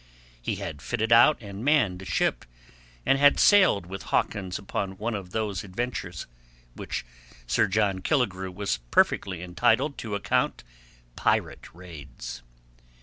He had fitted out and manned a ship, and had sailed with Hawkins upon one of those ventures, which Sir John Killigrew was perfectly entitled to account pirate raids.